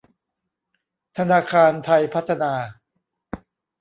ธนาคารไทยพัฒนา